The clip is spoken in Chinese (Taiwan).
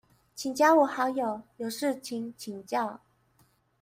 請加我好友，有事情請教